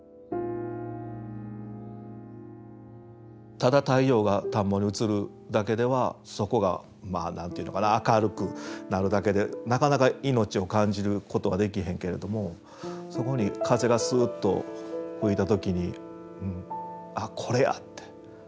ただ太陽が田んぼに映るだけではそこが何て言うのか明るくなるだけでなかなか命を感じることができへんけれどもそこに風がスッと吹いた時に「あっこれや」って。